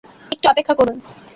একটু অপেক্ষা করুন।